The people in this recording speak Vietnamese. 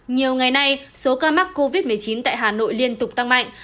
nhiều ngày nay số ca mắc covid một mươi chín tại hà nội liên tục tăng mạnh